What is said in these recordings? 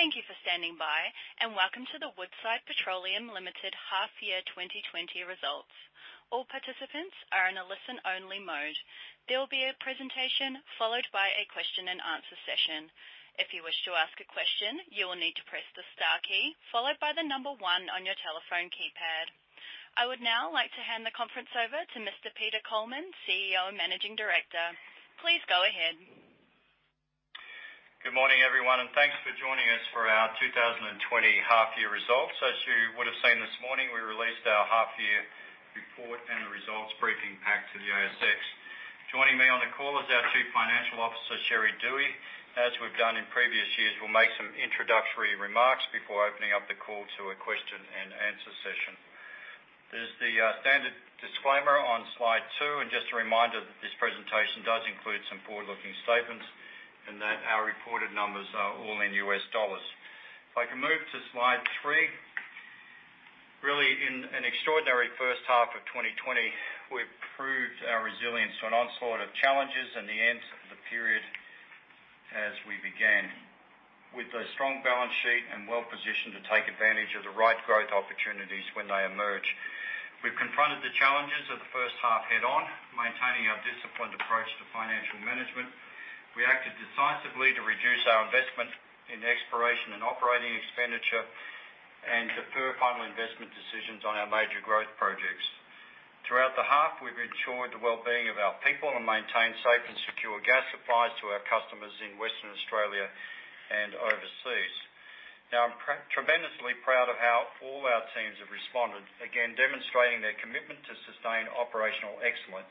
Thank you for standing by, and welcome to the Woodside Petroleum Limited half-year 2020 results. All participants are in a listen-only mode. There will be a presentation followed by a question-and-answer session. If you wish to ask a question, you will need to press the star key followed by the number one on your telephone keypad. I would now like to hand the conference over to Mr. Peter Coleman, CEO and Managing Director. Please go ahead. Good morning, everyone, and thanks for joining us for our 2020 half-year results. As you would have seen this morning, we released our half-year report and the results briefing pack to the ASX. Joining me on the call is our Chief Financial Officer, Sherry Duhe. As we've done in previous years, we'll make some introductory remarks before opening up the call to a question-and-answer session. There's the standard disclaimer on slide two, and just a reminder that this presentation does include some forward-looking statements and that our reported numbers are all in U.S. dollars. If I can move to slide three. Really, in an extraordinary first half of 2020, we've proved our resilience to an onslaught of challenges and the end of the period as we began, with a strong balance sheet and well-positioned to take advantage of the right growth opportunities when they emerge. We've confronted the challenges of the first half head-on, maintaining our disciplined approach to financial management. We acted decisively to reduce our investment in exploration and operating expenditure and defer final investment decisions on our major growth projects. Throughout the half, we've ensured the well-being of our people and maintained safe and secure gas supplies to our customers in Western Australia and overseas. Now, I'm tremendously proud of how all our teams have responded, again demonstrating their commitment to sustained operational excellence.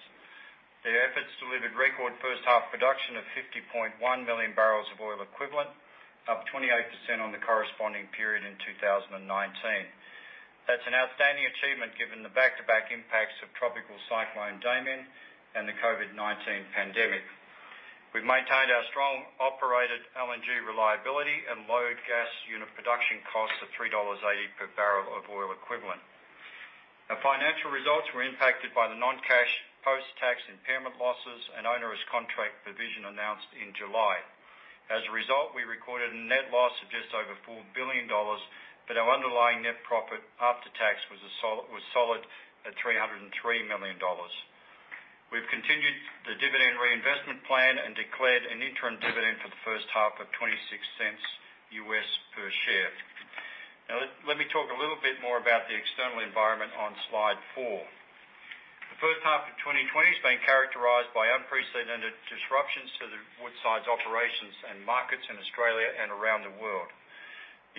Their efforts delivered record first-half production of 50.1 million barrels of oil equivalent, up 28% on the corresponding period in 2019. That's an outstanding achievement given the back-to-back impacts of Tropical Cyclone Damien and the COVID-19 pandemic. We've maintained our strong operated LNG reliability and low gas unit production costs at $3.80 per barrel of oil equivalent. Our financial results were impacted by the non-cash post-tax impairment losses and onerous contract provision announced in July. As a result, we recorded a net loss of just over $4 billion, but our underlying net profit after tax was solid at $303 million. We've continued the dividend reinvestment plan and declared an interim dividend for the first half of $0.26 per share. Now, let me talk a little bit more about the external environment on slide four. The first half of 2020 has been characterized by unprecedented disruptions to Woodside's operations and markets in Australia and around the world.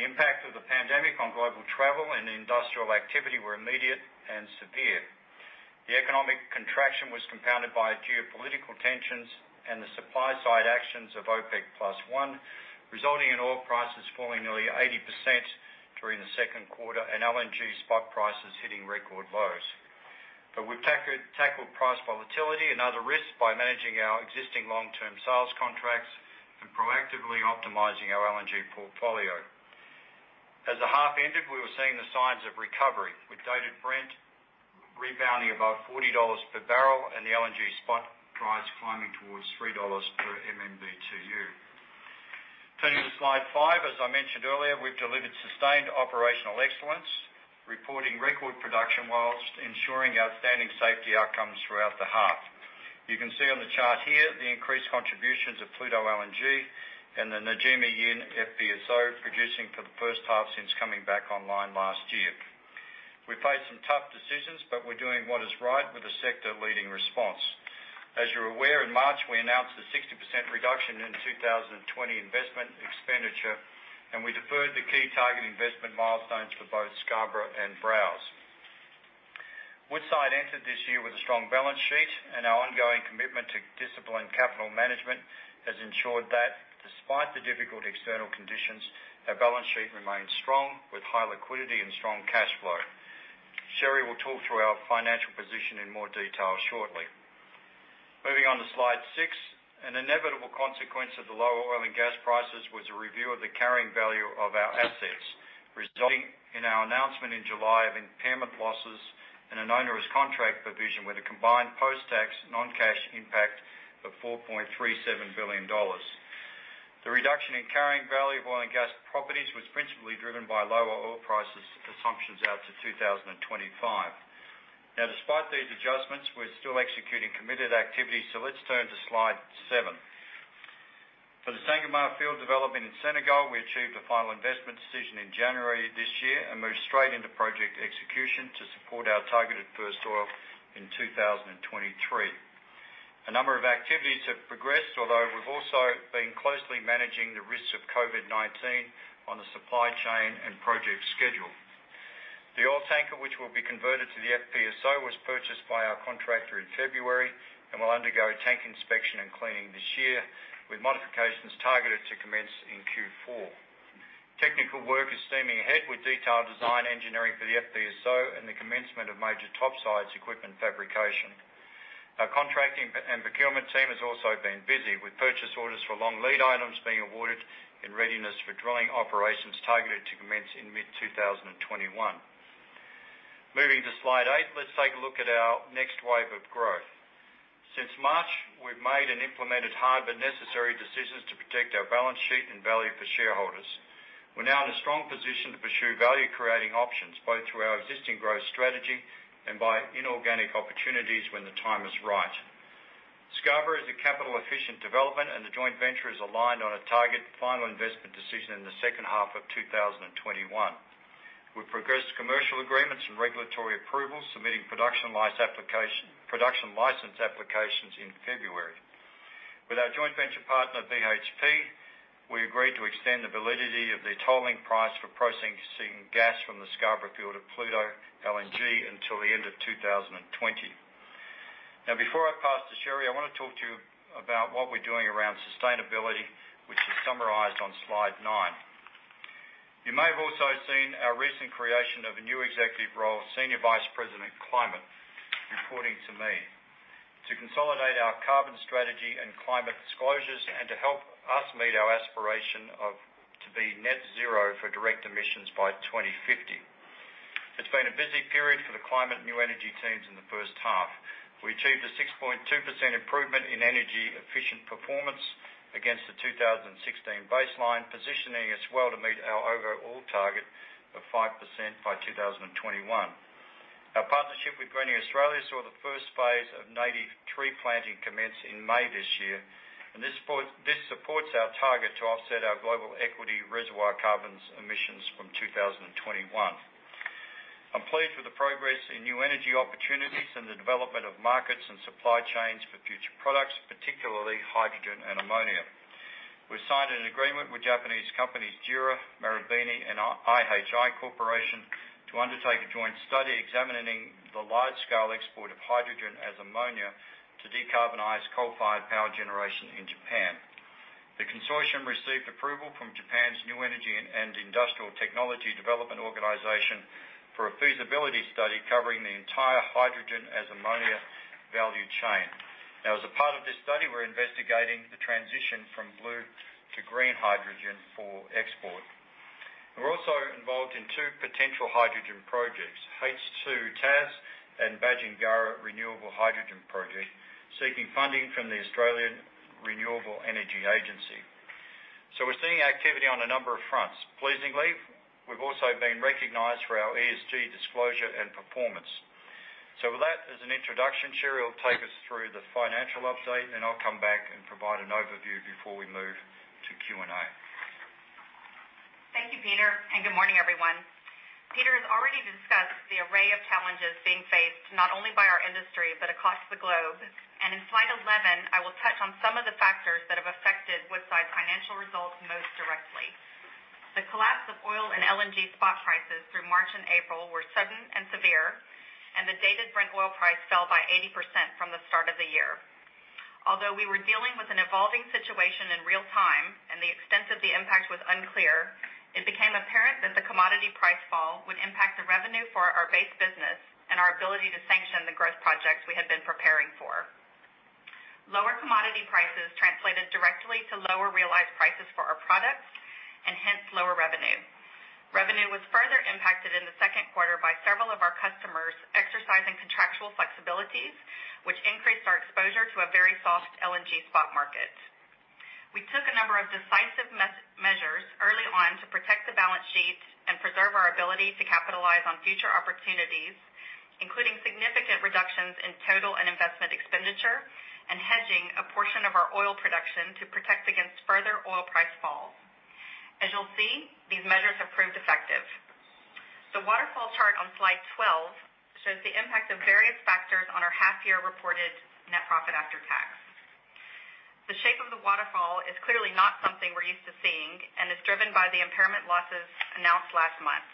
The impact of the pandemic on global travel and industrial activity was immediate and severe. The economic contraction was compounded by geopolitical tensions and the supply-side actions of OPEC+, resulting in oil prices falling nearly 80% during the second quarter and LNG spot prices hitting record lows. But we've tackled price volatility and other risks by managing our existing long-term sales contracts and proactively optimizing our LNG portfolio. As the half ended, we were seeing the signs of recovery, with Dated Brent rebounding above $40 per barrel and the LNG spot price climbing towards $3 per MMBtu. Turning to slide five, as I mentioned earlier, we've delivered sustained operational excellence, reporting record production whilst ensuring outstanding safety outcomes throughout the half. You can see on the chart here the increased contributions of Pluto LNG and the Ngujima-Yin FPSO producing for the first half since coming back online last year. We've faced some tough decisions, but we're doing what is right with a sector-leading response. As you're aware, in March, we announced a 60% reduction in 2020 investment expenditure, and we deferred the key target investment milestones for both Scarborough and Browse. Woodside entered this year with a strong balance sheet, and our ongoing commitment to disciplined capital management has ensured that, despite the difficult external conditions, our balance sheet remains strong with high liquidity and strong cash flow. Sherry will talk through our financial position in more detail shortly. Moving on to slide six, an inevitable consequence of the lower oil and gas prices was a review of the carrying value of our assets, resulting in our announcement in July of impairment losses and an onerous contract provision with a combined post-tax non-cash impact of $4.37 billion. The reduction in carrying value of oil and gas properties was principally driven by lower oil prices assumptions out to 2025. Now, despite these adjustments, we're still executing committed activities, so let's turn to slide seven. For the Sangomar Field Development in Senegal, we achieved a final investment decision in January this year and moved straight into project execution to support our targeted first oil in 2023. A number of activities have progressed, although we've also been closely managing the risks of COVID-19 on the supply chain and project schedule. The oil tanker, which will be converted to the FPSO, was purchased by our contractor in February and will undergo tank inspection and cleaning this year, with modifications targeted to commence in Q4. Technical work is steaming ahead with detailed design engineering for the FPSO and the commencement of major topsides equipment fabrication. Our contracting and procurement team has also been busy, with purchase orders for long lead items being awarded and readiness for drilling operations targeted to commence in mid-2021. Moving to slide eight, let's take a look at our next wave of growth. Since March, we've made and implemented hard but necessary decisions to protect our balance sheet and value for shareholders. We're now in a strong position to pursue value-creating options, both through our existing growth strategy and by inorganic opportunities when the time is right. Scarborough is a capital-efficient development, and the joint venture is aligned on a target final investment decision in the second half of 2021. We've progressed commercial agreements and regulatory approvals, submitting production license applications in February. With our joint venture partner, BHP, we agreed to extend the validity of the tolling price for processing gas from the Scarborough field to Pluto LNG until the end of 2020. Now, before I pass to Sherry, I want to talk to you about what we're doing around sustainability, which is summarized on slide nine. You may have also seen our recent creation of a new executive role, Senior Vice President Climate, reporting to me, to consolidate our carbon strategy and climate disclosures and to help us meet our aspiration to be net zero for direct emissions by 2050. It's been a busy period for the climate and new energy teams in the first half. We achieved a 6.2% improvement in energy efficiency performance against the 2016 baseline, positioning us well to meet our overall target of 5% by 2021. Our partnership with Greening Australia saw the first phase of native tree planting commence in May this year, and this supports our target to offset our global equity reservoir carbon emissions from 2021. I'm pleased with the progress in new energy opportunities and the development of markets and supply chains for future products, particularly hydrogen and ammonia. We've signed an agreement with Japanese companies JERA, Marubeni, and IHI Corporation to undertake a joint study examining the large-scale export of hydrogen as ammonia to decarbonize coal-fired power generation in Japan. The consortium received approval from Japan's New Energy and Industrial Technology Development Organization for a feasibility study covering the entire hydrogen as ammonia value chain. Now, as a part of this study, we're investigating the transition from blue to green hydrogen for export. We're also involved in two potential hydrogen projects, H2TAS and Badgingarra Renewable Hydrogen Project, seeking funding from the Australian Renewable Energy Agency. So we're seeing activity on a number of fronts. Pleasingly, we've also been recognized for our ESG disclosure and performance. So with that, as an introduction, Sherry will take us through the financial update, and then I'll come back and provide an overview before we move to Q&A. Thank you, Peter, and good morning, everyone. Peter has already discussed the array of challenges being faced not only by our industry but across the globe. And in slide 11, I will touch on some of the factors that have affected Woodside's financial results most directly. The collapse of oil and LNG spot prices through March and April were sudden and severe, and the Dated Brent oil price fell by 80% from the start of the year. Although we were dealing with an evolving situation in real time and the extent of the impact was unclear, it became apparent that the commodity price fall would impact the revenue for our base business and our ability to sanction the growth projects we had been preparing for. Lower commodity prices translated directly to lower realized prices for our products and hence lower revenue. Revenue was further impacted in the second quarter by several of our customers exercising contractual flexibilities, which increased our exposure to a very soft LNG spot market. We took a number of decisive measures early on to protect the balance sheet and preserve our ability to capitalize on future opportunities, including significant reductions in total and investment expenditure and hedging a portion of our oil production to protect against further oil price falls. As you'll see, these measures have proved effective. The waterfall chart on slide 12 shows the impact of various factors on our half-year reported net profit after tax. The shape of the waterfall is clearly not something we're used to seeing and is driven by the impairment losses announced last month.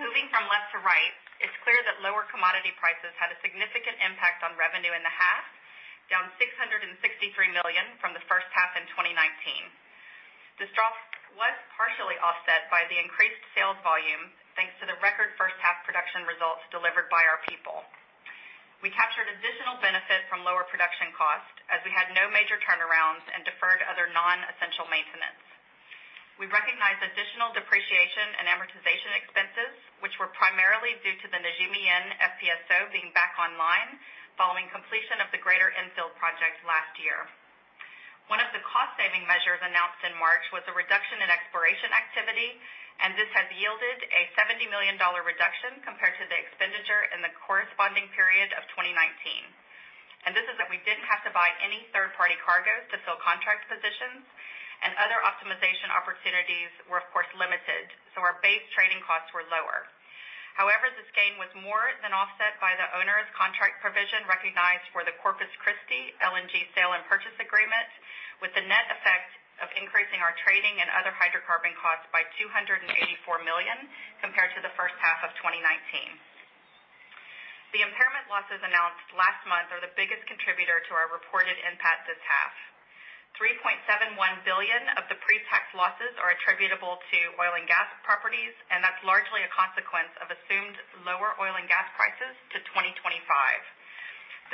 Moving from left to right, it's clear that lower commodity prices had a significant impact on revenue in the half, down $663 million from the first half in 2019. That was partially offset by the increased sales volume thanks to the record first-half production results delivered by our people. We captured additional benefit from lower production costs as we had no major turnarounds and deferred other non-essential maintenance. We recognized additional depreciation and amortization expenses, which were primarily due to the Ngujima-Yin FPSO being back online following completion of the Greater Enfield project last year. One of the cost-saving measures announced in March was a reduction in exploration activity, and this has yielded a $70 million reduction compared to the expenditure in the corresponding period of 2019. This is that we didn't have to buy any third-party cargoes to fill contract positions, and other optimization opportunities were, of course, limited, so our base trading costs were lower. However, this gain was more than offset by the onerous contract provision recognized for the Corpus Christi LNG sale and purchase agreement, with the net effect of increasing our trading and other hydrocarbon costs by $284 million compared to the first half of 2019. The impairment losses announced last month are the biggest contributor to our reported impact this half. $3.71 billion of the pre-tax losses are attributable to oil and gas properties, and that's largely a consequence of assumed lower oil and gas prices to 2025.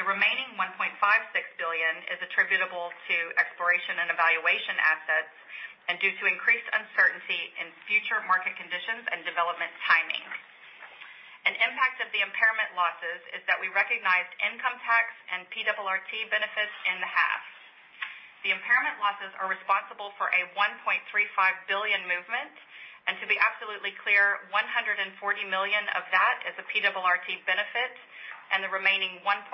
The remaining $1.56 billion is attributable to exploration and evaluation assets and due to increased uncertainty in future market conditions and development timing. An impact of the impairment losses is that we recognized income tax and PRRT benefits in the half. The impairment losses are responsible for a $1.35 billion movement, and to be absolutely clear, $140 million of that is a PRRT benefit, and the remaining $1.21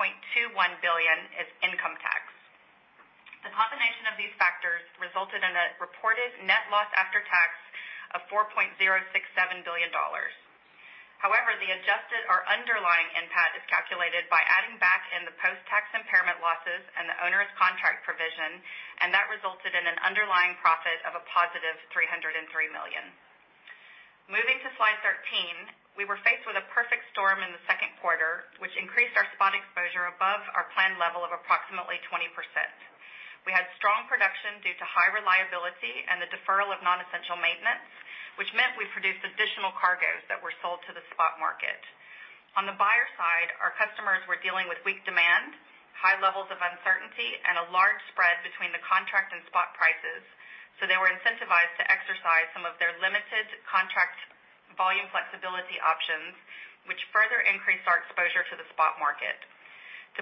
billion is income tax. The combination of these factors resulted in a reported net loss after tax of $4.067 billion. However, the adjusted or underlying impact is calculated by adding back in the post-tax impairment losses and the onerous contract provision, and that resulted in an underlying profit of a positive $303 million. Moving to slide 13, we were faced with a perfect storm in the second quarter, which increased our spot exposure above our planned level of approximately 20%. We had strong production due to high reliability and the deferral of non-essential maintenance, which meant we produced additional cargoes that were sold to the spot market. On the buyer side, our customers were dealing with weak demand, high levels of uncertainty, and a large spread between the contract and spot prices, so they were incentivized to exercise some of their limited contract volume flexibility options, which further increased our exposure to the spot market.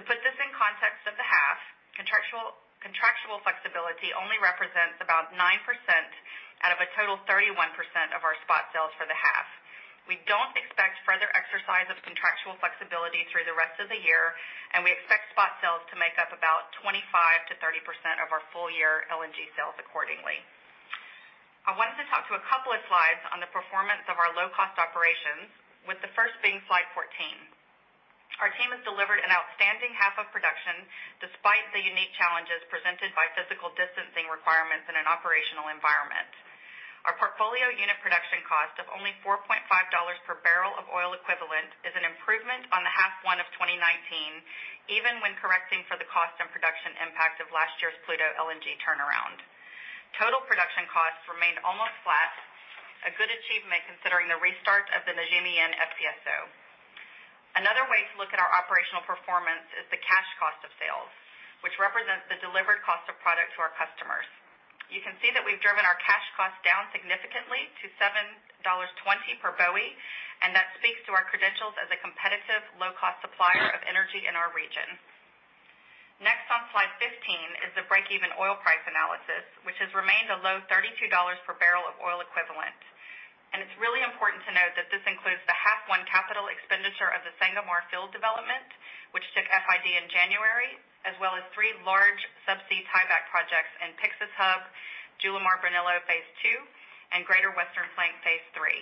To put this in context of the half, contractual flexibility only represents about 9% out of a total 31% of our spot sales for the half. We don't expect further exercise of contractual flexibility through the rest of the year, and we expect spot sales to make up about 25%-30% of our full-year LNG sales accordingly. I wanted to talk to a couple of slides on the performance of our low-cost operations, with the first being slide 14. Our team has delivered an outstanding half of production despite the unique challenges presented by physical distancing requirements in an operational environment. Our portfolio unit production cost of only $4.50 per barrel of oil equivalent is an improvement on the half one of 2019, even when correcting for the cost and production impact of last year's Pluto LNG turnaround. Total production costs remained almost flat, a good achievement considering the restart of the Ngujima-Yin FPSO. Another way to look at our operational performance is the cash cost of sales, which represents the delivered cost of product to our customers. You can see that we've driven our cash costs down significantly to $7.20 per BOE, and that speaks to our credentials as a competitive, low-cost supplier of energy in our region. Next on slide 15 is the break-even oil price analysis, which has remained a low $32 per barrel of oil equivalent. It's really important to note that this includes the 2021 capital expenditure of the Sangomar Field Development, which took FID in January, as well as three large subsea tieback projects in Pyxis Hub, Julimar-Brunello Phase 2, and Greater Western Flank Phase 3.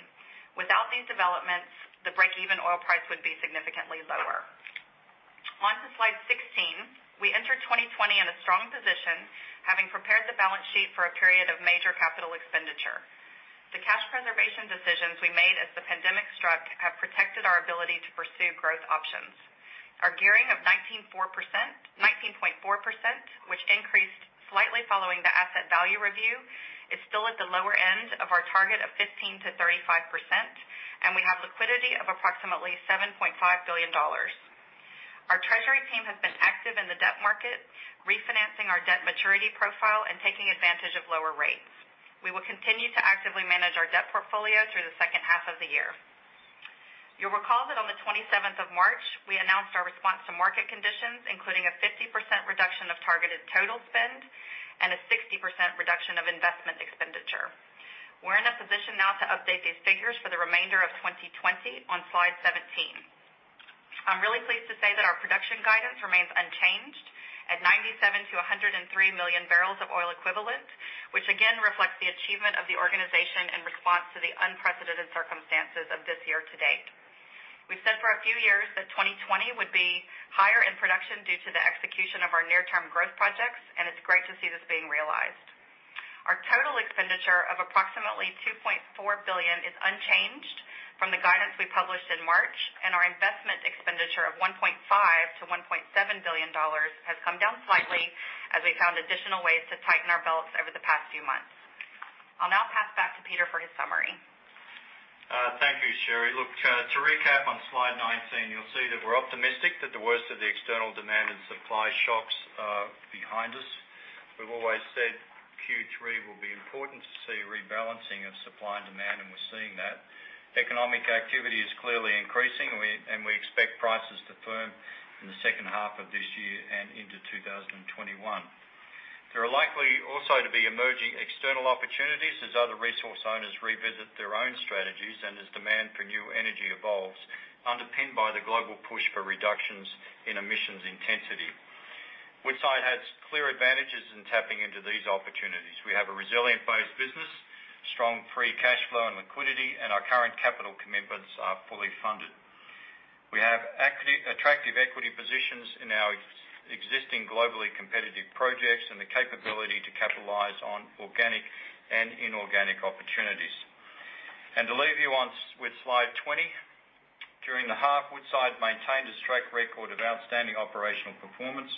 Without these developments, the break-even oil price would be significantly lower. Onto slide 16, we entered 2020 in a strong position, having prepared the balance sheet for a period of major capital expenditure. The cash preservation decisions we made as the pandemic struck have protected our ability to pursue growth options. Our gearing of 19.4%, which increased slightly following the asset value review, is still at the lower end of our target of 15%-35%, and we have liquidity of approximately $7.5 billion. Our treasury team has been active in the debt market, refinancing our debt maturity profile and taking advantage of lower rates. We will continue to actively manage our debt portfolio through the second half of the year. You'll recall that on the 27th of March, we announced our response to market conditions, including a 50% reduction of targeted total spend and a 60% reduction of investment expenditure. We're in a position now to update these figures for the remainder of 2020 on slide 17. I'm really pleased to say that our production guidance remains unchanged at 97-103 million barrels of oil equivalent, which again reflects the achievement of the organization in response to the unprecedented circumstances of this year to date. We've said for a few years that 2020 would be higher in production due to the execution of our near-term growth projects, and it's great to see this being realized. Our total expenditure of approximately $2.4 billion is unchanged from the guidance we published in March, and our investment expenditure of $1.5 billion-$1.7 billion has come down slightly as we found additional ways to tighten our belts over the past few months. I'll now pass back to Peter for his summary. Thank you, Sherry. Look, to recap on slide 19, you'll see that we're optimistic that the worst of the external demand and supply shocks are behind us. We've always said Q3 will be important to see rebalancing of supply and demand, and we're seeing that. Economic activity is clearly increasing, and we expect prices to firm in the second half of this year and into 2021. There are likely also to be emerging external opportunities as other resource owners revisit their own strategies and as demand for new energy evolves, underpinned by the global push for reductions in emissions intensity. Woodside has clear advantages in tapping into these opportunities. We have a resilient-based business, strong free cash flow and liquidity, and our current capital commitments are fully funded. We have attractive equity positions in our existing globally competitive projects and the capability to capitalize on organic and inorganic opportunities. To leave you on with slide 20, during the half, Woodside maintained a strike record of outstanding operational performance,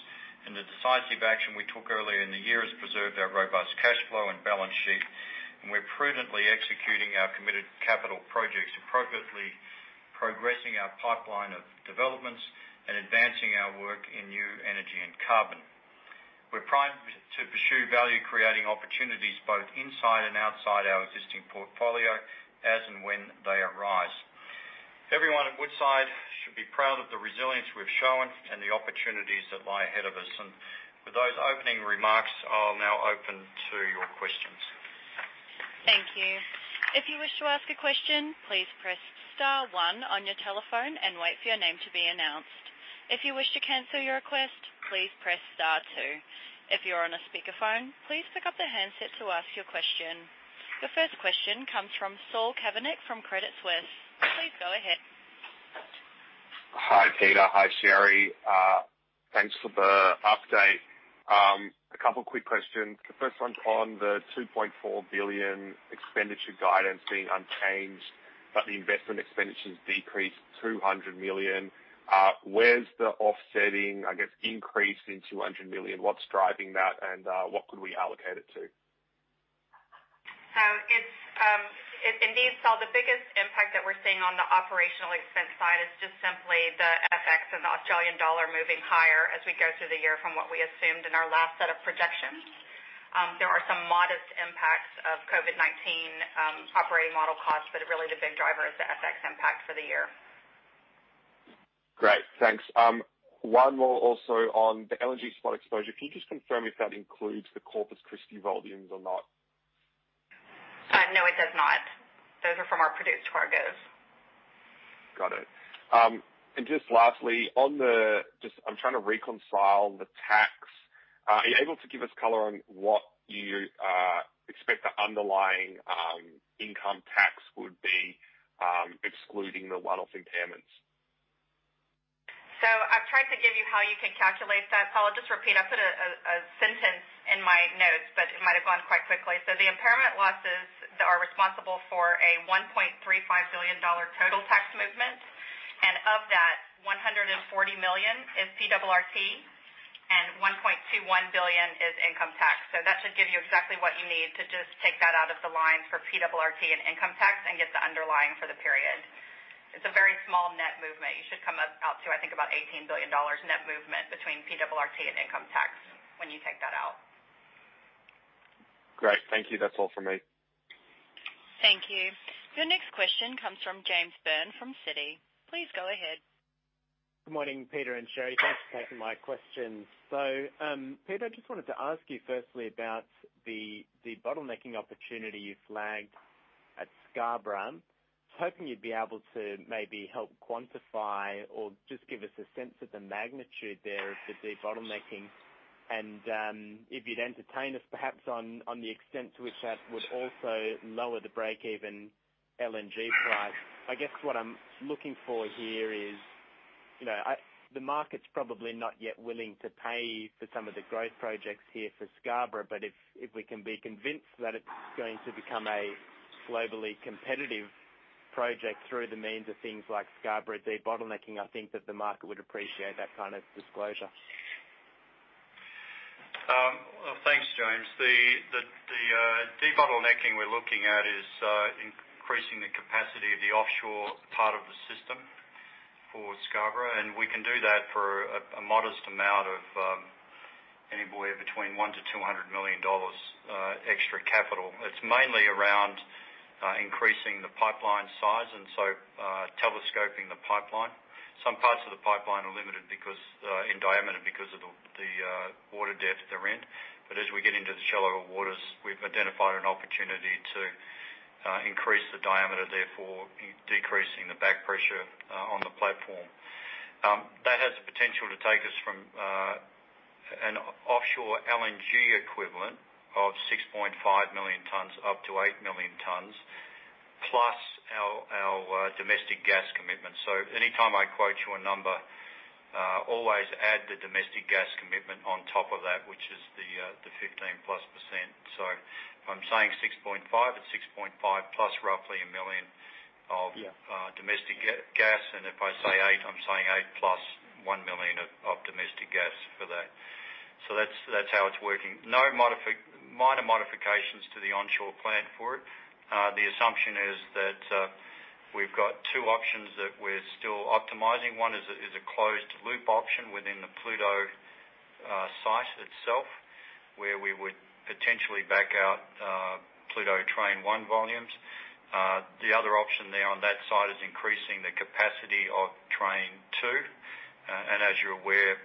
and the decisive action we took earlier in the year has preserved our robust cash flow and balance sheet, and we're prudently executing our committed capital projects appropriately, progressing our pipeline of developments, and advancing our work in new energy and carbon. We're primed to pursue value-creating opportunities both inside and outside our existing portfolio as and when they arise. Everyone at Woodside should be proud of the resilience we've shown and the opportunities that lie ahead of us. With those opening remarks, I'll now open to your questions. Thank you. If you wish to ask a question, please press Star one on your telephone and wait for your name to be announced. If you wish to cancel your request, please press Star two. If you're on a speakerphone, please pick up the handset to ask your question. The first question comes from Saul Kavonic from Credit Suisse. Please go ahead. Hi, Peter. Hi, Sherry. Thanks for the update. A couple of quick questions. The first one's on the $2.4 billion expenditure guidance being unchanged, but the investment expenditures decreased $200 million. Where's the offsetting, I guess, increase in $200 million? What's driving that, and what could we allocate it to? Indeed, Saul, the biggest impact that we're seeing on the operational expense side is just simply the FX and the Australian dollar moving higher as we go through the year from what we assumed in our last set of projections. There are some modest impacts of COVID-19 operating model costs, but really the big driver is the FX impact for the year. Great. Thanks. One more also on the energy spot exposure. Can you just confirm if that includes the Corpus Christi volumes or not? No, it does not. Those are from our produced cargoes. Got it, and just lastly, I'm trying to reconcile the tax. Are you able to give us color on what you expect the underlying income tax would be, excluding the one-off impairments? So I've tried to give you how you can calculate that. Saul, I'll just repeat. I put a sentence in my notes, but it might have gone quite quickly. So the impairment losses are responsible for a $1.35 billion total tax movement, and of that, $140 million is PRRT, and $1.21 billion is income tax. So that should give you exactly what you need to just take that out of the lines for PRRT and income tax and get the underlying for the period. It's a very small net movement. You should come out to, I think, about $18 billion net movement between PRRT and income tax when you take that out. Great. Thank you. That's all from me. Thank you. Your next question comes from James Byrne from Citi. Please go ahead. Good morning, Peter and Sherry. Thanks for taking my questions. So Peter, I just wanted to ask you firstly about the debottlenecking opportunity you flagged at Scarborough. I was hoping you'd be able to maybe help quantify or just give us a sense of the magnitude there of the deep debottlenecking, and if you'd entertain us perhaps on the extent to which that would also lower the break-even LNG price. I guess what I'm looking for here is the market's probably not yet willing to pay for some of the growth projects here for Scarborough, but if we can be convinced that it's going to become a globally competitive project through the means of things like Scarborough debottlenecking, I think that the market would appreciate that kind of disclosure. Thanks, James. The debottlenecking we're looking at is increasing the capacity of the offshore part of the system for Scarborough, and we can do that for a modest amount of anywhere between $100 million-$200 million extra capital. It's mainly around increasing the pipeline size and so telescoping the pipeline. Some parts of the pipeline are limited in diameter because of the water depth they're in, but as we get into the shallower waters, we've identified an opportunity to increase the diameter, therefore decreasing the back pressure on the platform. That has the potential to take us from an offshore LNG equivalent of 6.5 million tons up to 8 million tons, plus our domestic gas commitment. Anytime I quote you a number, always add the domestic gas commitment on top of that, which is the 15-plus%. So if I'm saying 6.5, it's 6.5 plus roughly a million of domestic gas, and if I say 8, I'm saying 8 plus 1 million of domestic gas for that. So that's how it's working. No minor modifications to the onshore plant for it. The assumption is that we've got two options that we're still optimizing. One is a closed loop option within the Pluto site itself, where we would potentially back out Pluto Train 1 volumes. The other option there on that side is increasing the capacity of Train 2. And as you're aware,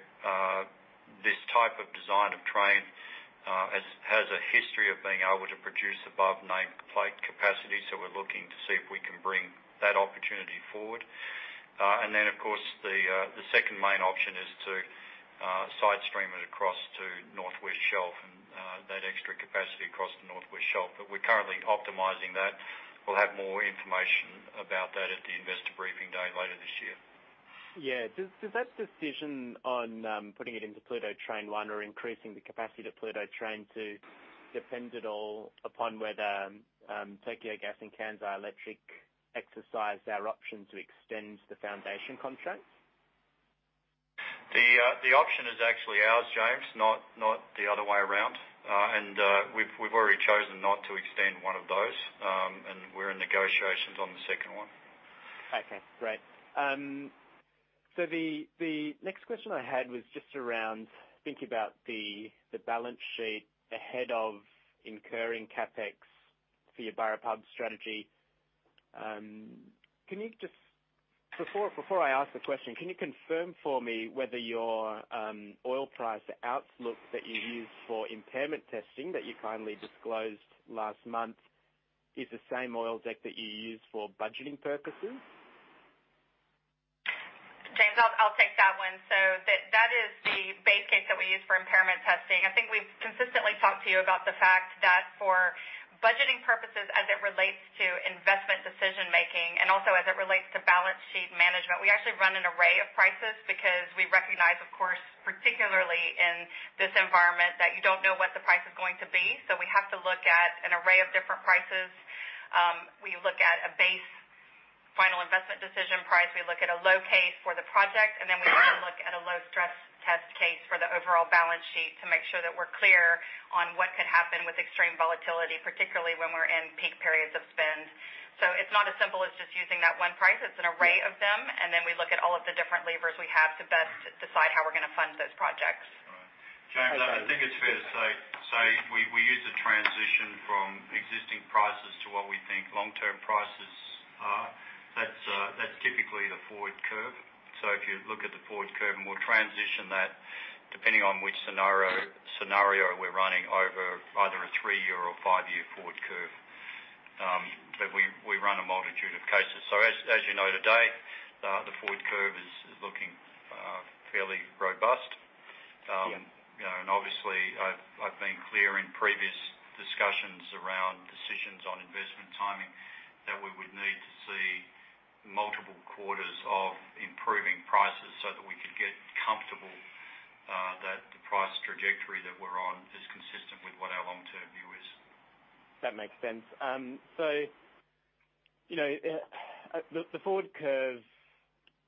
this type of design of train has a history of being able to produce above nameplate capacity, so we're looking to see if we can bring that opportunity forward. And then, of course, the second main option is to side stream it across to North West Shelf and that extra capacity across to North West Shelf, but we're currently optimizing that. We'll have more information about that at the investor briefing day later this year. Yeah. Does that decision on putting it into Pluto Train 1 or increasing the capacity to Pluto Train 2 depend at all upon whether Tokyo Gas and Kansai Electric exercise our option to extend the foundation contract? The option is actually ours, James, not the other way around, and we've already chosen not to extend one of those, and we're in negotiations on the second one. Okay. Great. So the next question I had was just around thinking about the balance sheet ahead of incurring CapEx for your Burrup Hub strategy. Before I ask the question, can you confirm for me whether your oil price outlook that you used for impairment testing that you kindly disclosed last month is the same oil deck that you use for budgeting purposes? James, I'll take that one. So that is the base case that we use for impairment testing. I think we've consistently talked to you about the fact that for budgeting purposes, as it relates to investment decision-making and also as it relates to balance sheet management, we actually run an array of prices because we recognize, of course, particularly in this environment, that you don't know what the price is going to be. So we have to look at an array of different prices. We look at a base final investment decision price. We look at a low case for the project, and then we look at a low stress test case for the overall balance sheet to make sure that we're clear on what could happen with extreme volatility, particularly when we're in peak periods of spend. So it's not as simple as just using that one price. It's an array of them, and then we look at all of the different levers we have to best decide how we're going to fund those projects. James, I think it's fair to say we use a transition from existing prices to what we think long-term prices are. That's typically the forward curve. So if you look at the forward curve, we'll transition that depending on which scenario we're running over either a three-year or five-year forward curve. But we run a multitude of cases. So as you know, today, the forward curve is looking fairly robust. And obviously, I've been clear in previous discussions around decisions on investment timing that we would need to see multiple quarters of improving prices so that we could get comfortable that the price trajectory that we're on is consistent with what our long-term view is. That makes sense. So the forward curve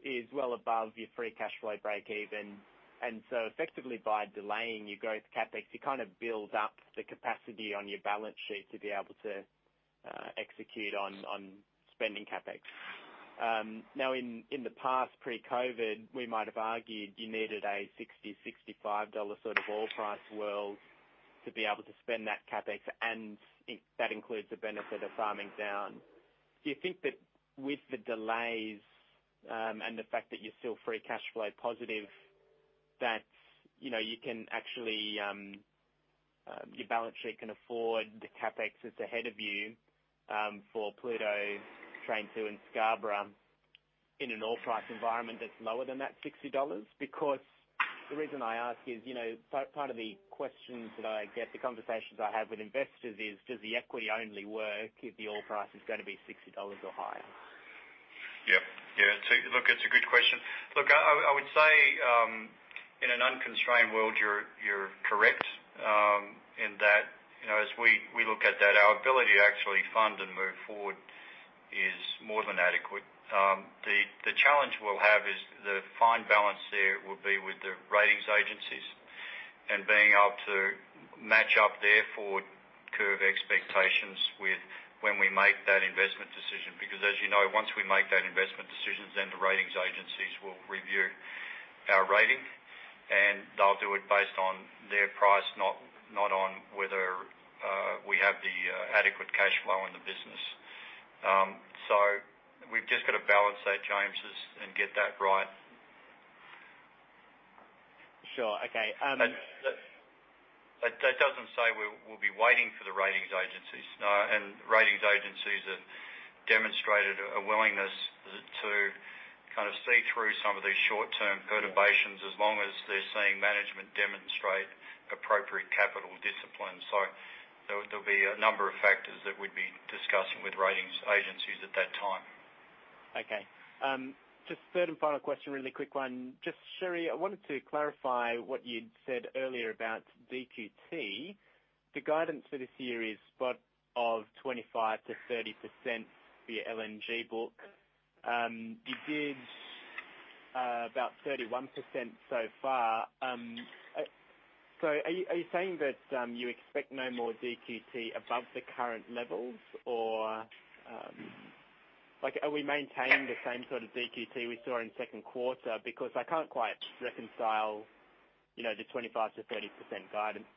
is well above your free cash flow break-even, and so effectively, by delaying your growth CapEx, you kind of build up the capacity on your balance sheet to be able to execute on spending CapEx. Now, in the past, pre-COVID, we might have argued you needed a $60-$65 sort of oil price world to be able to spend that CapEx, and that includes the benefit of farming down. Do you think that with the delays and the fact that you're still free cash flow positive, that you can actually your balance sheet can afford the CapEx that's ahead of you for Pluto, Train 2, and Scarborough in an oil price environment that's lower than that $60? Because the reason I ask is part of the questions that I get, the conversations I have with investors, is does the equity only work if the oil price is going to be $60 or higher? Yep. Yeah. Look, it's a good question. Look, I would say in an unconstrained world, you're correct in that as we look at that, our ability to actually fund and move forward is more than adequate. The challenge we'll have is the fine balance there will be with the ratings agencies and being able to match up their forward curve expectations with when we make that investment decision. Because as you know, once we make that investment decision, then the ratings agencies will review our rating, and they'll do it based on their price, not on whether we have the adequate cash flow in the business. So we've just got to balance that, James, and get that right. Sure. Okay. That doesn't say we'll be waiting for the rating agencies, and rating agencies have demonstrated a willingness to kind of see through some of these short-term perturbations as long as they're seeing management demonstrate appropriate capital discipline, so there'll be a number of factors that we'd be discussing with rating agencies at that time. Okay. Just third and final question, really quick one. Just Sherry, I wanted to clarify what you'd said earlier about DQT. The guidance for this year is spot of 25%-30% for your LNG book. You did about 31% so far. So are you saying that you expect no more DQT above the current levels, or are we maintaining the same sort of DQT we saw in second quarter? Because I can't quite reconcile the 25%-30% guidance?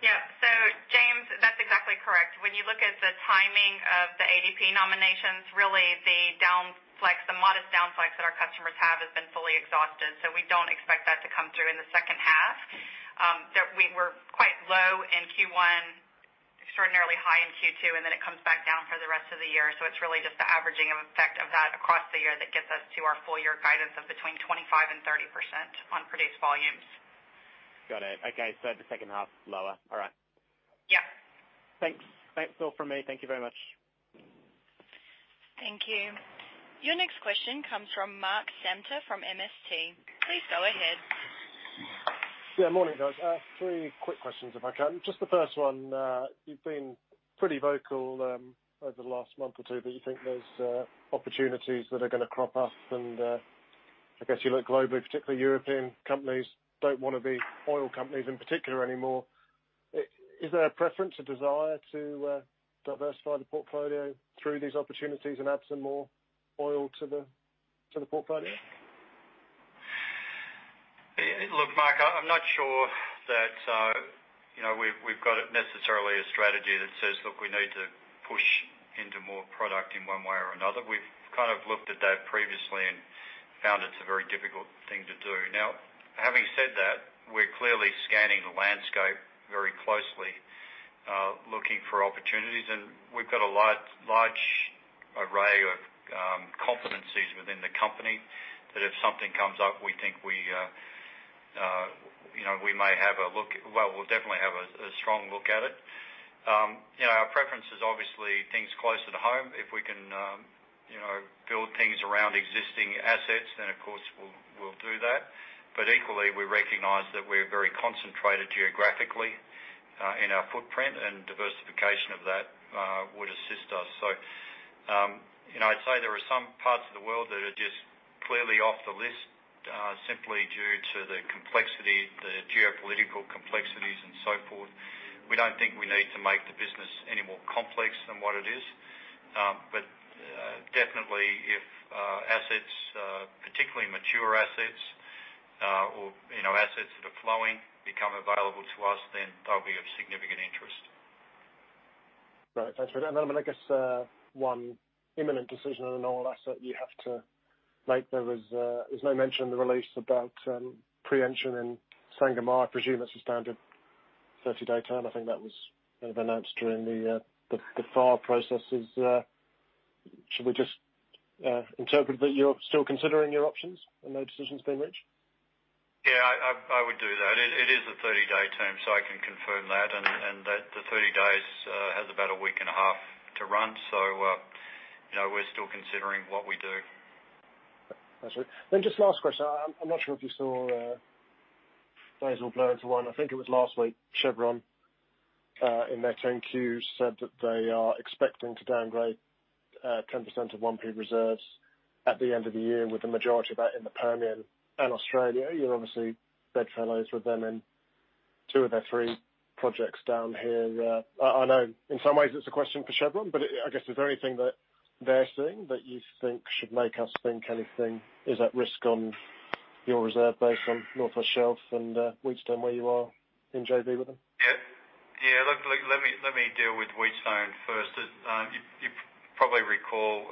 Yep. So James, that's exactly correct. When you look at the timing of the ADP nominations, really the modest downsides that our customers have been fully exhausted, so we don't expect that to come through in the second half. We're quite low in Q1, extraordinarily high in Q2, and then it comes back down for the rest of the year. So it's really just the averaging effect of that across the year that gets us to our full-year guidance of between 25% and 30% on produced volumes. Got it. Okay. So the second half lower. All right. Yep. Thanks. That's all from me. Thank you very much. Thank you. Your next question comes from Mark Samter from MST. Please go ahead. Yeah. Morning, guys. Three quick questions if I can. Just the first one. You've been pretty vocal over the last month or two that you think there's opportunities that are going to crop up, and I guess you look globally, particularly European companies don't want to be oil companies in particular anymore. Is there a preference or desire to diversify the portfolio through these opportunities and add some more oil to the portfolio? Look, Mark, I'm not sure that we've got necessarily a strategy that says, "Look, we need to push into more product in one way or another." We've kind of looked at that previously and found it's a very difficult thing to do. Now, having said that, we're clearly scanning the landscape very closely looking for opportunities, and we've got a large array of competencies within the company that if something comes up, we think we may have a look well, we'll definitely have a strong look at it. Our preference is obviously things closer to home. If we can build things around existing assets, then of course we'll do that. But equally, we recognize that we're very concentrated geographically in our footprint, and diversification of that would assist us. I'd say there are some parts of the world that are just clearly off the list simply due to the geopolitical complexities and so forth. We don't think we need to make the business any more complex than what it is. But definitely, if assets, particularly mature assets or assets that are flowing, become available to us, then they'll be of significant interest. Right. Thanks for that. And I guess one imminent decision on an oil asset you have to make. There was no mention in the release about pre-entry in Sangomar. I presume it's a standard 30-day term. I think that was kind of announced during the FAR processes. Should we just interpret that you're still considering your options and no decision's been reached? Yeah. I would do that. It is a 30-day term, so I can confirm that, and the 30 days has about a week and a half to run, so we're still considering what we do. Thanks. Then just last question. I'm not sure if you saw the Bloomberg one. I think it was last week. Chevron, in their 10-Q, said that they are expecting to downgrade 10% of 1P reserves at the end of the year, with the majority of that in the Permian and Australia. You're obviously bedfellows with them in two of their three projects down here. I know in some ways it's a question for Chevron, but I guess is there anything that they're seeing that you think should make us think anything is at risk on your reserves based on North West Shelf and Wheatstone where you are in JV with them? Yeah. Yeah. Let me deal with Wheatstone first. You probably recall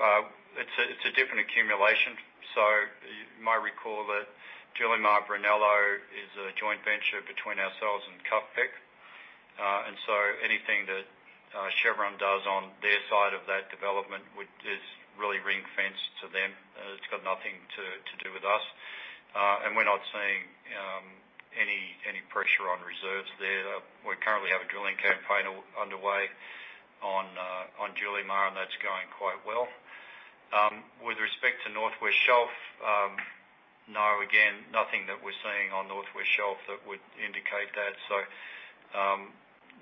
it's a different accumulation. So you might recall that Julimar-Brunello is a joint venture between ourselves and KUFPEC. And so anything that Chevron does on their side of that development is really ring-fenced to them. It's got nothing to do with us. And we're not seeing any pressure on reserves there. We currently have a drilling campaign underway on Julimar, and that's going quite well. With respect to North West Shelf, no, again, nothing that we're seeing on North West Shelf that would indicate that. So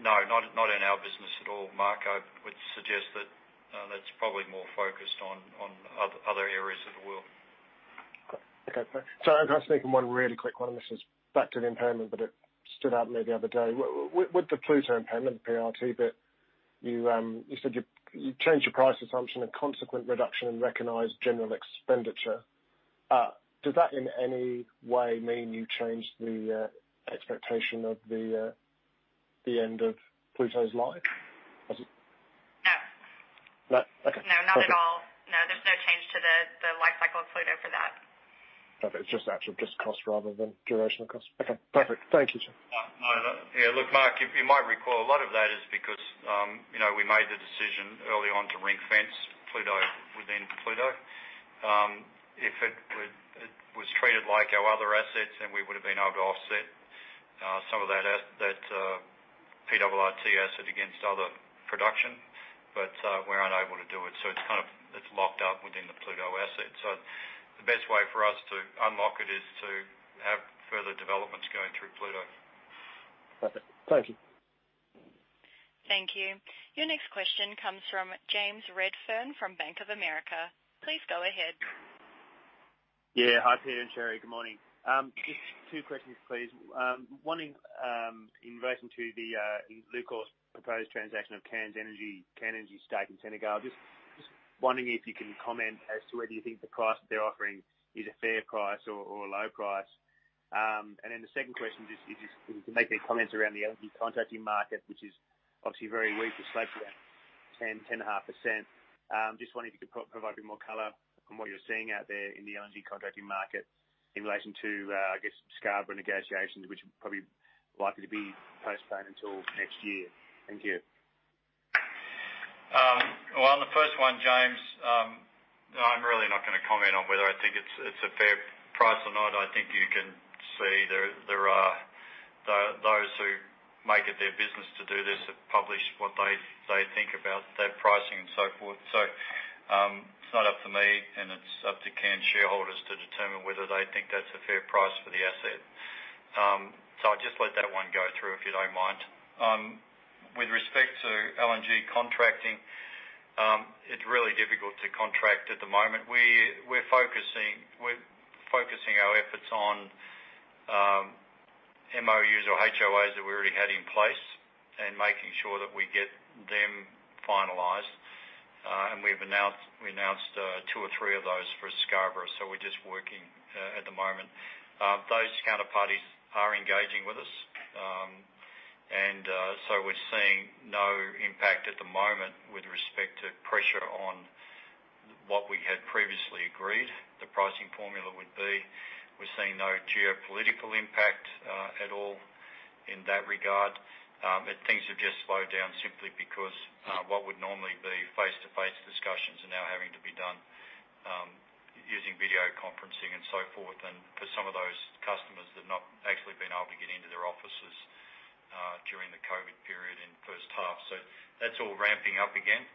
no, not in our business at all. Mark would suggest that that's probably more focused on other areas of the world. Okay. Thanks. So I'm just making one really quick one. This is back to the impairment, but it stood out to me the other day. With the Pluto impairment, the PRRT bit, you said you changed your price assumption and consequent reduction and recognized general expenditure. Does that in any way mean you changed the expectation of the end of Pluto's life? No. No? Okay. No, not at all. No, there's no change to the life cycle of Pluto for that. Perfect. It's just actual cost rather than duration of cost. Okay. Perfect. Thank you, sir. Yeah. Look, Mark, you might recall a lot of that is because we made the decision early on to ring-fence Pluto within Pluto. If it was treated like our other assets, then we would have been able to offset some of that PRRT asset against other production, but we're unable to do it. So it's kind of locked up within the Pluto asset. So the best way for us to unlock it is to have further developments going through Pluto. Perfect. Thank you. Thank you. Your next question comes from James Redfern from Bank of America. Please go ahead. Yeah. Hi Peter. Sherry, good morning. Just two questions, please. One in relation to the Lukoil proposed transaction of Cairn Energy stake in Senegal. Just wondering if you can comment as to whether you think the price that they're offering is a fair price or a low price. And then the second question is if you can make any comments around the LNG contracting market, which is obviously very weak with slopes around 10-10.5%. Just wondering if you could provide a bit more color on what you're seeing out there in the LNG contracting market in relation to, I guess, Scarborough negotiations, which are probably likely to be postponed until next year. Thank you. On the first one, James, I'm really not going to comment on whether I think it's a fair price or not. I think you can see there are those who make it their business to do this have published what they think about their pricing and so forth. So it's not up to me, and it's up to Cairn shareholders to determine whether they think that's a fair price for the asset. So I'll just let that one go through if you don't mind. With respect to LNG contracting, it's really difficult to contract at the moment. We're focusing our efforts on MOUs or HOAs that we already had in place and making sure that we get them finalized. And we've announced two or three of those for Scarborough, so we're just working at the moment. Those counterparties are engaging with us, and so we're seeing no impact at the moment with respect to pressure on what we had previously agreed the pricing formula would be. We're seeing no geopolitical impact at all in that regard. Things have just slowed down simply because what would normally be face-to-face discussions are now having to be done using video conferencing and so forth. And for some of those customers that have not actually been able to get into their offices during the COVID period in the first half, so that's all ramping up again.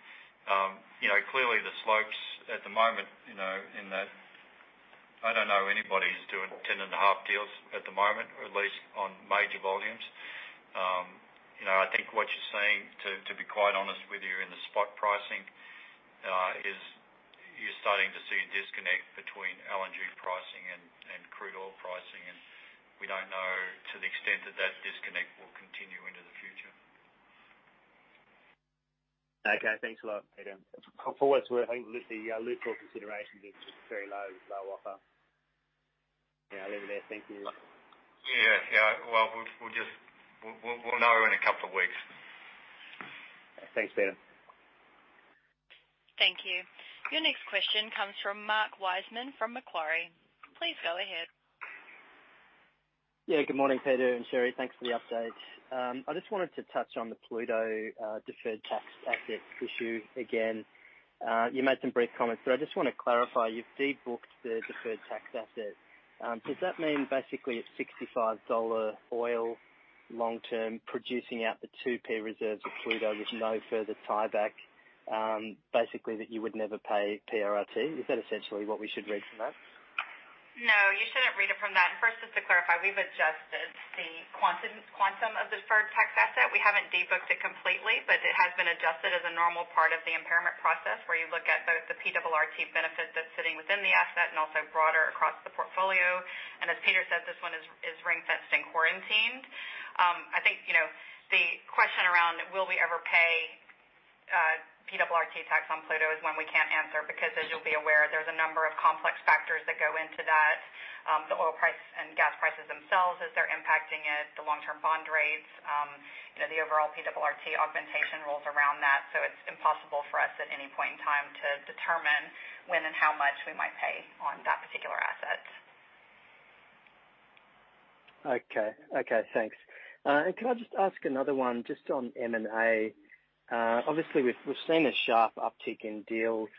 Clearly, the slopes at the moment in that I don't know anybody who's doing 10.5 deals at the moment, at least on major volumes. I think what you're saying, to be quite honest with you in the spot pricing, is you're starting to see a disconnect between LNG pricing and crude oil pricing. We don't know to the extent that that disconnect will continue into the future. Okay. Thanks a lot. Thank you. Look forward to it. I think the Lukoil consideration is very low, low offer. Yeah. I'll leave it there. Thank you. Yeah. Yeah. Well, we'll know in a couple of weeks. Thanks, Peter. Thank you. Your next question comes from Mark Wiseman from Macquarie. Please go ahead. Yeah. Good morning, Peter and Sherry. Thanks for the update. I just wanted to touch on the Pluto deferred tax asset issue again. You made some brief comments, but I just want to clarify. You've debooked the deferred tax asset. Does that mean basically at $65 oil long-term producing out the 2P reserves of Pluto with no further tieback, basically that you would never pay PRRT? Is that essentially what we should read from that? No. You shouldn't read it from that. First, just to clarify, we've adjusted the quantum of the deferred tax asset. We haven't debooked it completely, but it has been adjusted as a normal part of the impairment process where you look at both the PRRT benefit that's sitting within the asset and also broader across the portfolio. And as Peter said, this one is ring-fenced and quarantined. I think the question around will we ever pay PRRT tax on Pluto is one we can't answer because, as you'll be aware, there's a number of complex factors that go into that. The oil price and gas prices themselves, as they're impacting it, the long-term bond rates, the overall PRRT augmentation rules around that. So it's impossible for us at any point in time to determine when and how much we might pay on that particular asset. Okay. Okay. Thanks. And can I just ask another one just on M&A? Obviously, we've seen a sharp uptick in deals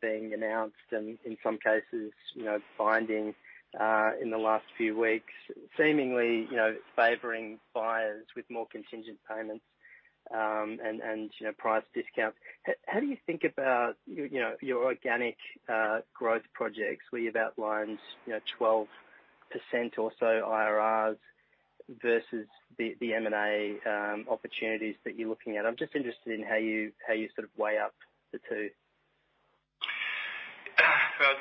being announced and in some cases binding in the last few weeks, seemingly favoring buyers with more contingent payments and price discounts. How do you think about your organic growth projects where you've outlined 12% or so IRRs versus the M&A opportunities that you're looking at? I'm just interested in how you sort of weigh up the two.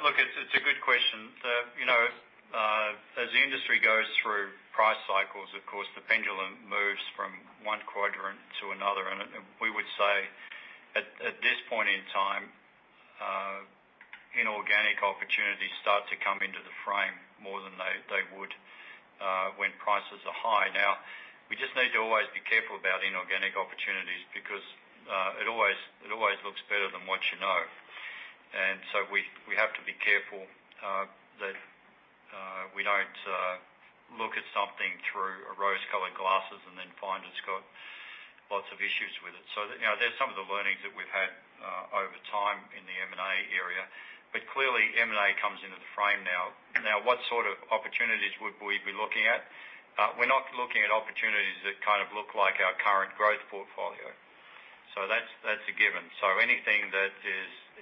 Look, it's a good question. As the industry goes through price cycles, of course, the pendulum moves from one quadrant to another. We would say at this point in time, inorganic opportunities start to come into the frame more than they would when prices are high. Now, we just need to always be careful about inorganic opportunities because it always looks better than what you know. We have to be careful that we don't look at something through rose-colored glasses and then find it's got lots of issues with it. There's some of the learnings that we've had over time in the M&A area. Clearly, M&A comes into the frame now. Now, what sort of opportunities would we be looking at? We're not looking at opportunities that kind of look like our current growth portfolio. That's a given. So anything that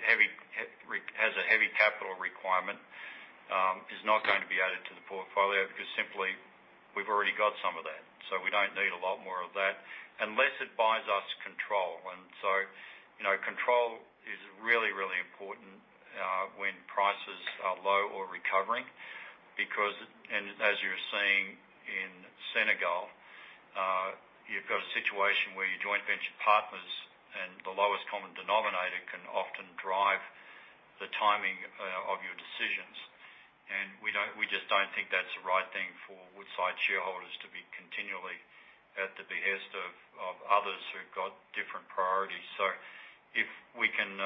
has a heavy capital requirement is not going to be added to the portfolio because simply we've already got some of that. So we don't need a lot more of that unless it buys us control. And so control is really, really important when prices are low or recovering. And as you're seeing in Senegal, you've got a situation where your joint venture partners and the lowest common denominator can often drive the timing of your decisions. And we just don't think that's the right thing for Woodside shareholders to be continually at the behest of others who've got different priorities. So if we can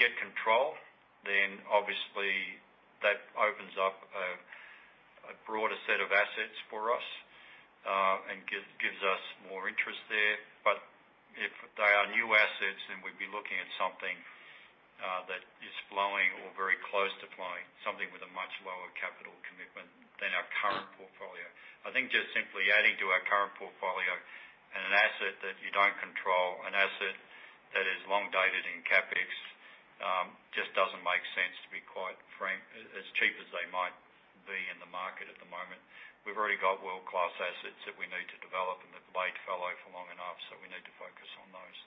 get control, then obviously that opens up a broader set of assets for us and gives us more interest there. But if they are new assets, then we'd be looking at something that is flowing or very close to flowing, something with a much lower capital commitment than our current portfolio. I think just simply adding to our current portfolio an asset that you don't control, an asset that is long-dated in CapEx, just doesn't make sense to be quite as cheap as they might be in the market at the moment. We've already got world-class assets that we need to develop and that have laid fallow for long enough, so we need to focus on those.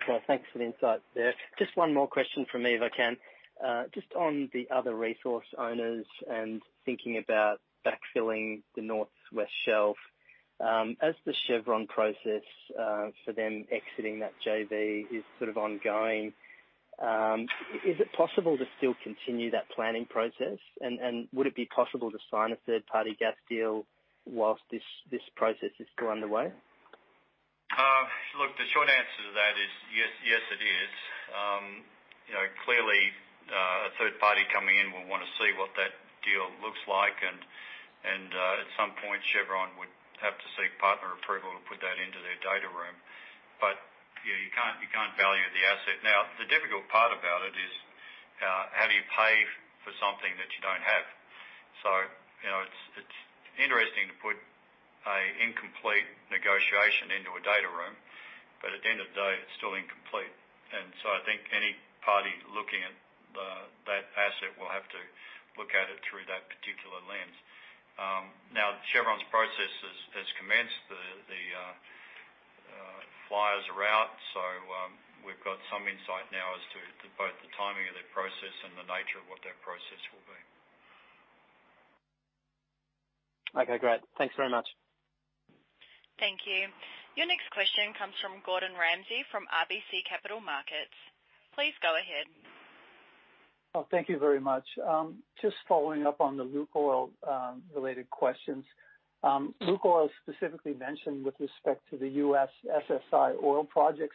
Okay. Thanks for the insight there. Just one more question from me, if I can. Just on the other resource owners and thinking about backfilling the North West Shelf, as the Chevron process for them exiting that JV is sort of ongoing, is it possible to still continue that planning process? And would it be possible to sign a third-party gas deal whilst this process is still underway? Look, the short answer to that is yes, it is. Clearly, a third party coming in will want to see what that deal looks like. And at some point, Chevron would have to seek partner approval to put that into their data room. But you can't value the asset. Now, the difficult part about it is how do you pay for something that you don't have? So it's interesting to put an incomplete negotiation into a data room, but at the end of the day, it's still incomplete. And so I think any party looking at that asset will have to look at it through that particular lens. Now, Chevron's process has commenced. The flyers are out. So we've got some insight now as to both the timing of their process and the nature of what their process will be. Okay. Great. Thanks very much. Thank you. Your next question comes from Gordon Ramsay from RBC Capital Markets. Please go ahead. Thank you very much. Just following up on the Lukoil-related questions. Lukoil specifically mentioned with respect to the U.S.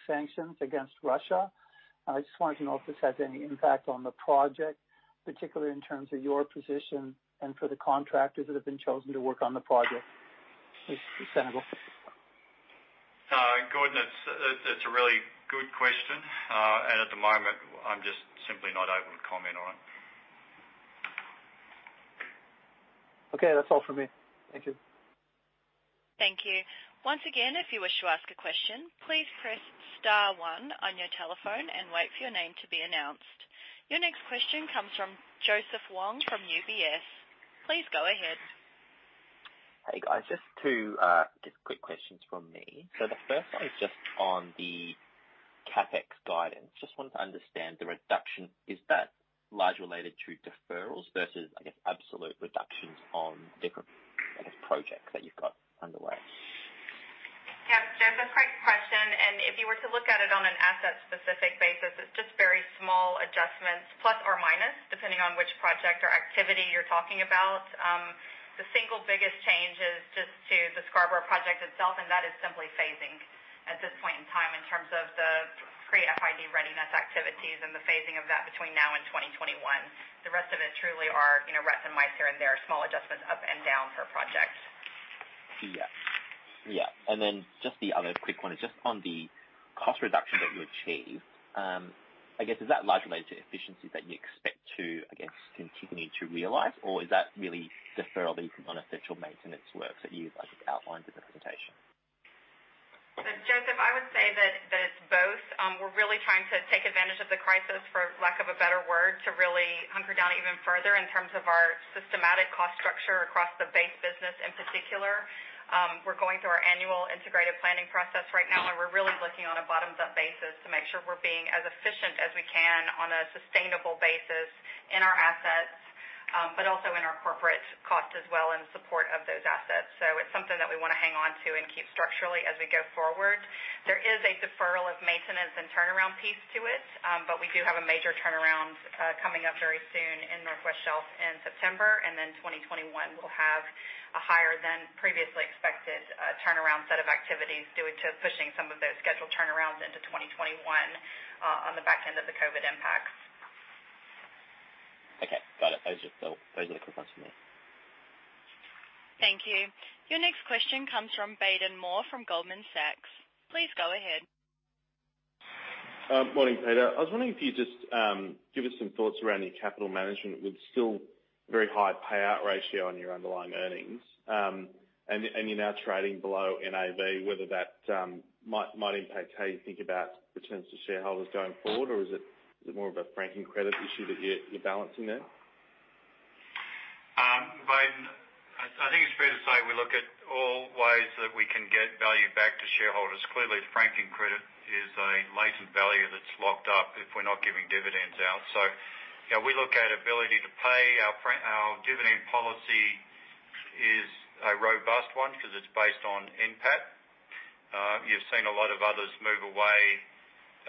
sanctions against Russia. I just wanted to know if this has any impact on the project, particularly in terms of your position and for the contractors that have been chosen to work on the project with Senegal. Gordon, that's a really good question. At the moment, I'm just simply not able to comment on it. Okay. That's all from me. Thank you. Thank you. Once again, if you wish to ask a question, please press star one on your telephone and wait for your name to be announced. Your next question comes from Joseph Wong from UBS. Please go ahead. Hey, guys. Just two quick questions from me. So the first one is just on the CapEx guidance. Just wanted to understand the reduction. Is that largely related to deferrals versus, I guess, absolute reductions on different, I guess, projects that you've got underway? Yep. There's a quick question. If you were to look at it on an asset-specific basis, it's just very small adjustments, plus or minus, depending on which project or activity you're talking about. The single biggest change is just to the Scarborough project itself, and that is simply phasing at this point in time in terms of the pre-FID readiness activities and the phasing of that between now and 2021. The rest of it truly are rats and mice here and there, small adjustments up and down per project. Yeah. Yeah, and then just the other quick one is just on the cost reduction that you achieved. I guess, is that largely related to efficiencies that you expect to, I guess, continue to realize, or is that really deferral based on essential maintenance work that you've outlined in the presentation? Joseph, I would say that it's both. We're really trying to take advantage of the crisis, for lack of a better word, to really hunker down even further in terms of our systematic cost structure across the base business in particular. We're going through our annual integrated planning process right now, and we're really looking on a bottoms-up basis to make sure we're being as efficient as we can on a sustainable basis in our assets, but also in our corporate costs as well in support of those assets. So it's something that we want to hang on to and keep structurally as we go forward. There is a deferral of maintenance and turnaround piece to it, but we do have a major turnaround coming up very soon in North West Shelf in September. Then 2021 will have a higher-than-previously-expected turnaround set of activities due to pushing some of those scheduled turnarounds into 2021 on the back end of the COVID impacts. Okay. Got it. Those are the quick ones for me. Thank you. Your next question comes from Baden Moore from Goldman Sachs. Please go ahead. Morning, Peter. I was wondering if you'd just give us some thoughts around your capital management with still very high payout ratio on your underlying earnings. And you're now trading below NAV. Whether that might impact how you think about returns to shareholders going forward, or is it more of a franking credit issue that you're balancing there? I think it's fair to say we look at all ways that we can get value back to shareholders. Clearly, franking credit is a latent value that's locked up if we're not giving dividends out. So we look at ability to pay. Our dividend policy is a robust one because it's based on NPAT. You've seen a lot of others move away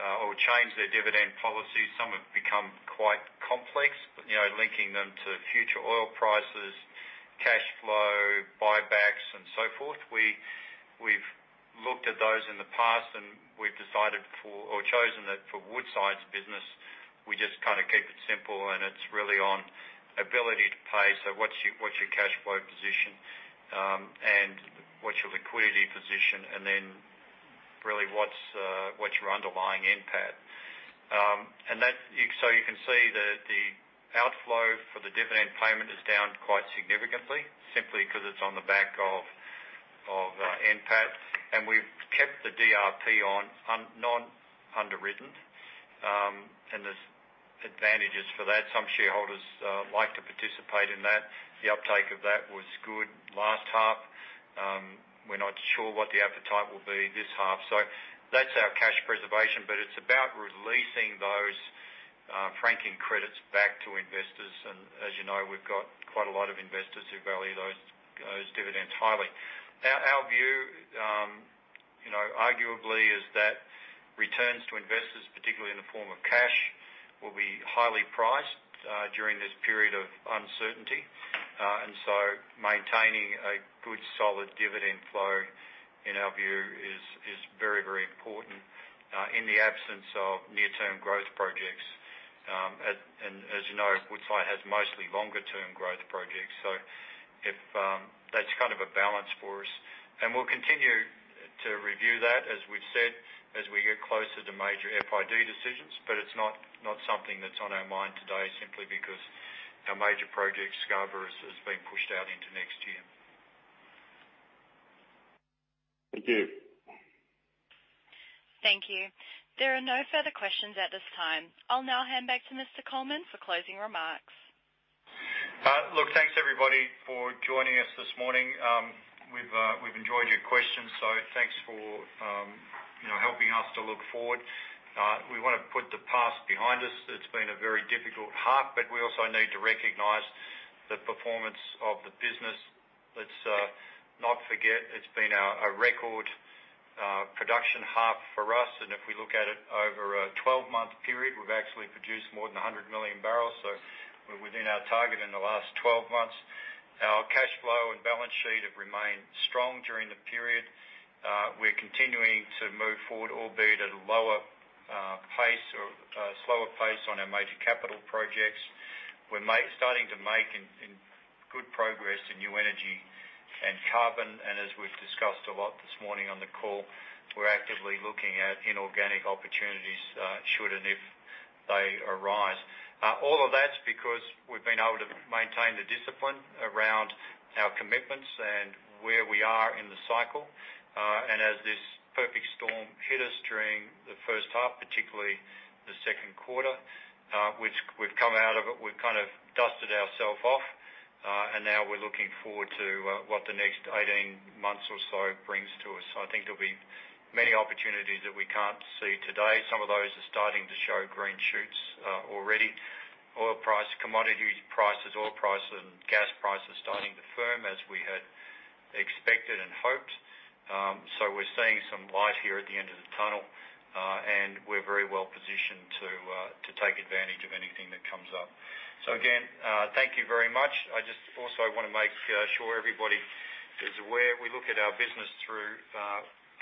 or change their dividend policy. Some have become quite complex, linking them to future oil prices, cash flow, buybacks, and so forth. We've looked at those in the past, and we've decided or chosen that for Woodside's business, we just kind of keep it simple. And it's really on ability to pay. So what's your cash flow position, and what's your liquidity position, and then really what's your underlying NPAT? You can see that the outflow for the dividend payment is down quite significantly simply because it's on the back of NPAT. We've kept the DRP non-underwritten. There's advantages for that. Some shareholders like to participate in that. The uptake of that was good last half. We're not sure what the appetite will be this half. That's our cash preservation, but it's about releasing those franking credits back to investors. As you know, we've got quite a lot of investors who value those dividends highly. Our view, arguably, is that returns to investors, particularly in the form of cash, will be highly priced during this period of uncertainty. Maintaining a good solid dividend flow, in our view, is very, very important in the absence of near-term growth projects. As you know, Woodside has mostly longer-term growth projects. So that's kind of a balance for us. And we'll continue to review that, as we've said, as we get closer to major FID decisions. But it's not something that's on our mind today simply because our major project, Scarborough, has been pushed out into next year. Thank you. Thank you. There are no further questions at this time. I'll now hand back to Mr. Coleman for closing remarks. Look, thanks, everybody, for joining us this morning. We've enjoyed your questions. So thanks for helping us to look forward. We want to put the past behind us. It's been a very difficult half. But we also need to recognize the performance of the business. Let's not forget it's been a record production half for us. And if we look at it over a 12-month period, we've actually produced more than 100 million barrels. So we're within our target in the last 12 months. Our cash flow and balance sheet have remained strong during the period. We're continuing to move forward, albeit at a lower pace or slower pace on our major capital projects. We're starting to make good progress in new energy and carbon. And as we've discussed a lot this morning on the call, we're actively looking at inorganic opportunities should and if they arise. All of that's because we've been able to maintain the discipline around our commitments and where we are in the cycle. And as this perfect storm hit us during the first half, particularly the second quarter, we've come out of it. We've kind of dusted ourselves off. And now we're looking forward to what the next 18 months or so brings to us. I think there'll be many opportunities that we can't see today. Some of those are starting to show green shoots already. Oil price, commodity prices, oil prices and gas prices are starting to firm as we had expected and hoped. So we're seeing some light here at the end of the tunnel. And we're very well positioned to take advantage of anything that comes up. So again, thank you very much. I just also want to make sure everybody is aware. We look at our business through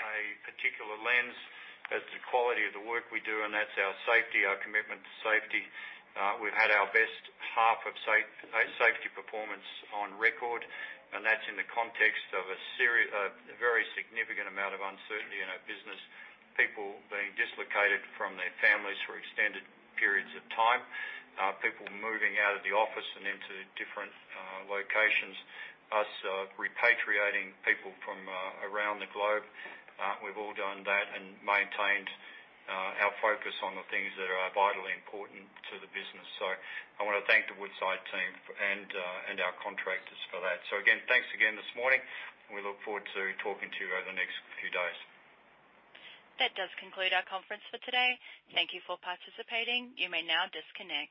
a particular lens as the quality of the work we do, and that's our safety, our commitment to safety. We've had our best half of safety performance on record. And that's in the context of a very significant amount of uncertainty in our business, people being dislocated from their families for extended periods of time, people moving out of the office and into different locations, us repatriating people from around the globe. We've all done that and maintained our focus on the things that are vitally important to the business. So I want to thank the Woodside team and our contractors for that. So again, thanks again this morning. We look forward to talking to you over the next few days. That does conclude our conference for today. Thank you for participating. You may now disconnect.